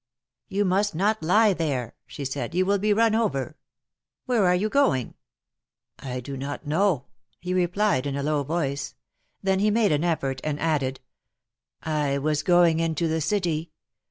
You must not lie there," she said. You will be run over. Where are you going ?" I do not know," he replied, in a low voice. Then he made an effort, and added : was going into the city.